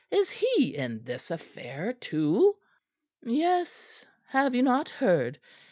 "Is he in this affair too?" "Yes; have you not heard?